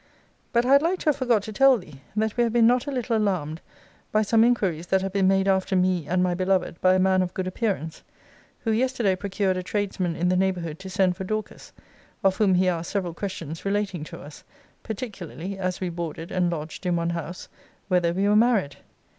But I had like to have forgot to tell thee, that we have been not a little alarmed, by some inquiries that have been made after me and my beloved by a man of good appearance; who yesterday procured a tradesman in the neighbourhood to send for Dorcas: of whom he asked several questions relating to us; particularly (as we boarded and lodged in one house) whether we were married?